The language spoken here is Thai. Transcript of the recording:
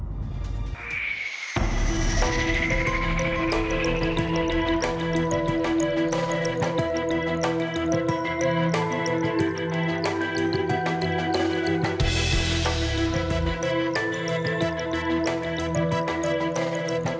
สวัสดีครับ